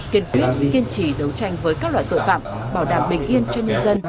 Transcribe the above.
kiên quyết kiên trì đấu tranh với các loại tội phạm bảo đảm bình yên cho nhân dân